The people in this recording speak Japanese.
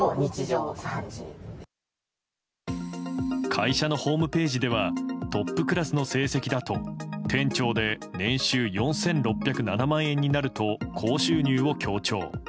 会社のホームページではトップクラスの成績だと店長で年収４６０７万円になると高収入を強調。